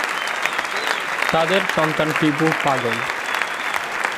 তাদের সন্তান টিপু পাগল।